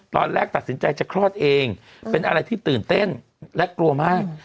ตอนแรกตัดสินใจจะคลอดเองเป็นอะไรที่ตื่นเต้นและกลัวมาก